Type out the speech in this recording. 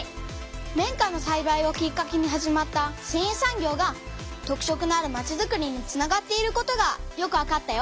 綿花のさいばいをきっかけに始まったせんい産業が特色のあるまちづくりにつながっていることがよくわかったよ。